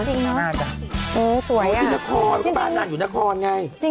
จริงเนอะสวยอ่ะจริงนั่นอยู่นครไง